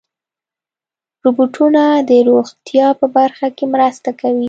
روبوټونه د روغتیا په برخه کې مرسته کوي.